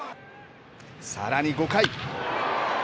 さらに５回。